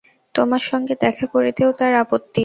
তোমার সঙ্গে দেখা করিতেও তার আপত্তি!